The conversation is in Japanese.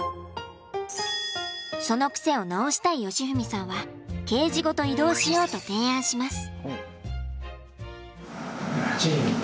その癖を直したい喜史さんはケージごと移動しようと提案します。